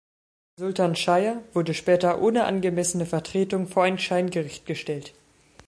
Sultan Shire wurde später ohne angemessene Vertretung vor ein Scheingericht gestellt.